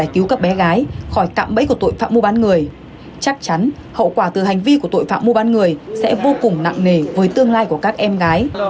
khủng nặng nề với tương lai của các em gái